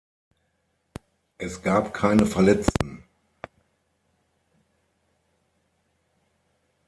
Es gab keine Verletzten.